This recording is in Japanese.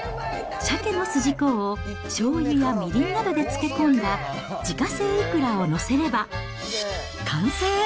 シャケの筋子をしょうゆやみりんなどで漬け込んだ自家製イクラを載せれば、完成。